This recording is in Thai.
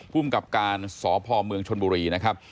ภูมิกับการสพเมืองชนบุรีนะครับ